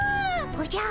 おじゃ。